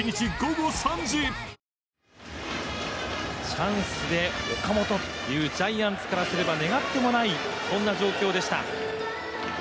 チャンスで岡本というジャイアンツからすれば願ってもないそんな状況でした。